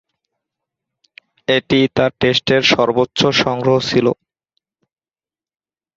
এটিই তার টেস্টের সর্বোচ্চ সংগ্রহ ছিল।